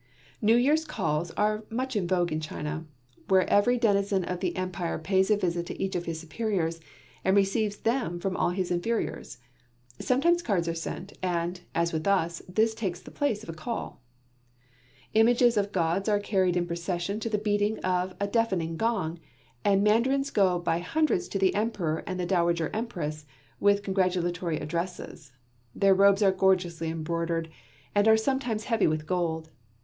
New Year's calls are much in vogue in China, where every denizen of the Empire pays a visit to each of his superiors, and receives them from all of his inferiors. Sometimes cards are sent, and, as with us, this takes the place of a call. Images of gods are carried in procession to the beating of a deafening gong, and mandarins go by hundreds to the Emperor and the Dowager Empress, with congratulatory addresses. Their robes are gorgeously embroidered and are sometimes heavy with gold.